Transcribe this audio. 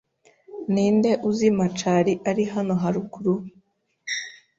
Ninde uzi Macari ari hano haruguru?